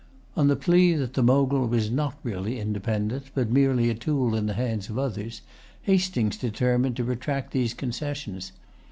On the plea that the Mogul was not really independent, but merely a tool in the hands of others, Hastings determined to retract these concessions.